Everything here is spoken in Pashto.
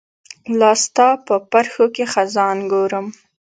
لاستا په پرښوکې خزان ګورم